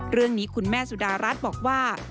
เรื่องนี้คุณแม่สุดารัฐบอกว่า